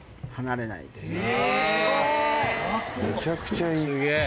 めちゃくちゃいい。